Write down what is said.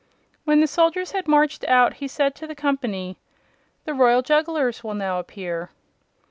When the soldiers had marched out he said to the company: "The Royal Jugglers will now appear."